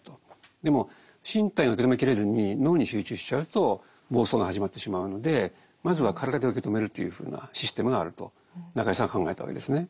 でも身体が受け止めきれずに脳に集中しちゃうと暴走が始まってしまうのでまずは体で受け止めるというふうなシステムがあると中井さんは考えたわけですね。